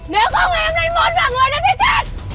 nếu không em đánh mất mọi người nó sẽ chết